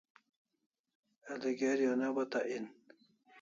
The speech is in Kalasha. El'i geri o ne bata en